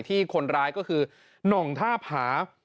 ที่คนร้ายก็คือหน่องท่าผา